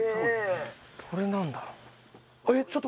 「これなんだろう？」